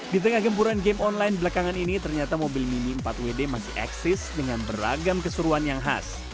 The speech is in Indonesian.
di tengah gempuran game online belakangan ini ternyata mobil mini empat wd masih eksis dengan beragam keseruan yang khas